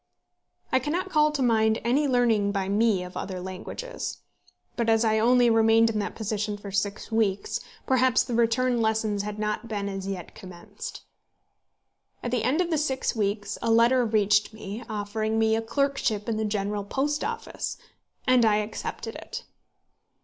I cannot call to mind any learning by me of other languages; but as I only remained in that position for six weeks, perhaps the return lessons had not been as yet commenced. At the end of the six weeks a letter reached me, offering me a clerkship in the General Post Office, and I accepted it.